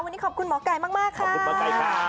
วันนี้ขอบคุณหมอกัยมากค่ะขอบคุณหมอกัยครับ